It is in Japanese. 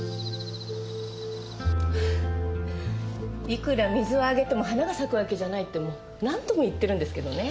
いくら水をあげても花が咲くわけじゃないってもう何度も言ってるんですけどね。